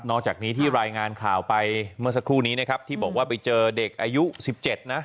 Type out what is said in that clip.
จากนี้ที่รายงานข่าวไปเมื่อสักครู่นี้นะครับที่บอกว่าไปเจอเด็กอายุ๑๗นะ